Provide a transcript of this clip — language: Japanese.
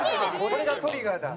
これがトリガーだ。